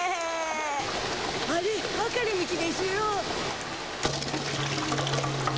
あれ分かれ道でしゅよ。